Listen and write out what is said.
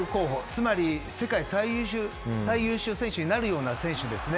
つまり世界最優秀選手になるような選手です。